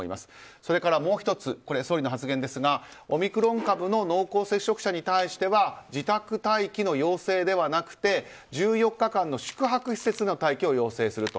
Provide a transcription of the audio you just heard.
それからもう１つ総理の発言ですがオミクロン株の濃厚接触者に対しては自宅待機の要請ではなくて１４日間の宿泊施設での待機を要請すると。